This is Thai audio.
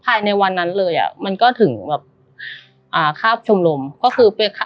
ภายในวันนั้นเลยอ่ะมันก็ถึงแบบอ่าคาบชมรมก็คือไป